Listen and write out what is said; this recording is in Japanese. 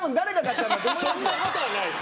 そんなことはないでしょ。